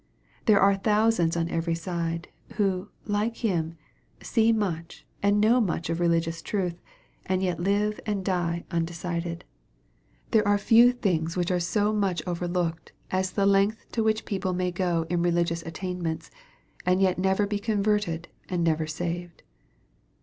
There are thousands on every side, who, like him, see much and know much of religious truth, and yet live and die undecided. There MARK, CHAP. XII. 265 are few things which are so much overlooked as the length to which people may go in religious attainments, and yet never be converted and never saved.